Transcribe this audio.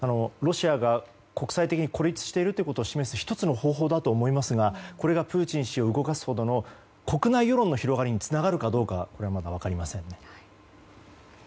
ロシアが国際的に孤立していることを示す１つの方法だと思いますがこれがプーチン氏を動かすほどの国内世論の広がりにつながるかどうかはまだ分かりませんね。